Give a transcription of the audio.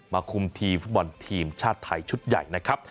คุมทีมฟุตบอลทีมชาติไทยชุดใหญ่นะครับ